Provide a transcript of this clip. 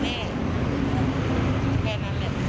แล้วที่ความรักก็ยังชอบด้วย